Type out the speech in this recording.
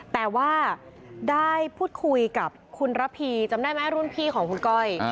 แต่ว่าได้พูดคุยกับคุณระพีจำได้ไหมรุ่นพี่ของคุณก้อย